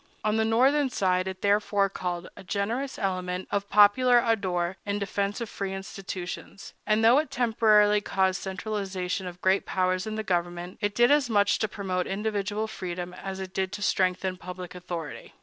On the Northern side it therefore called forth a generous element of popular ardor in defense of free institutions; and though it temporarily caused centralization of great powers in the government, it did as much to promote individual freedom as it did to strengthen public authority.